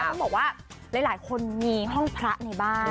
ต้องบอกว่าหลายคนมีห้องพระในบ้าน